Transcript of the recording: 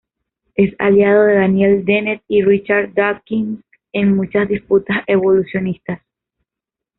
Es aliado de Daniel Dennett y Richard Dawkins en muchas disputas evolucionistas.